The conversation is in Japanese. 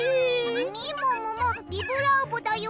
「みもももビブラーボだよ」。